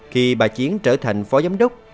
khi bà chiến trở thành phó giám đốc